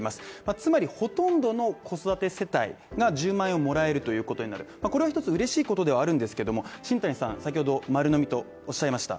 つまりほとんどの子育て世帯が１０万円もらえるということになるこれ嬉しいことではあるんですけども、新谷さん、先ほど丸呑みとおっしゃいました。